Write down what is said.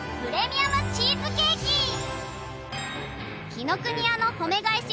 紀ノ国屋の褒め返し